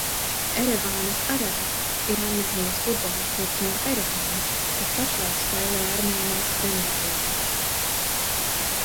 "Erevānas "Ararat" ir Armēnijas futbola klubs no Erevānas, kas pašlaik spēlē Armēnijas Premjerlīgā."